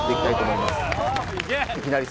いきなり！